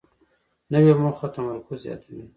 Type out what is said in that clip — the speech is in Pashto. نوې موخه تمرکز زیاتوي